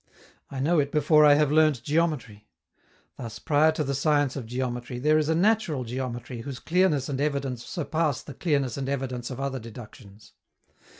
I know it before I have learnt geometry. Thus, prior to the science of geometry, there is a natural geometry whose clearness and evidence surpass the clearness and evidence of other deductions.